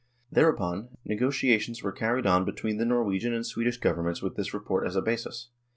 Thereupon, negotiations were carried on between the Norwegian and Swedish Governments with this report as a basis.